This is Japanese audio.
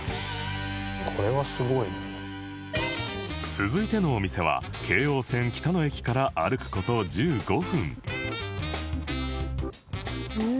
続いてのお店は京王線北野駅から歩く事１５分ん。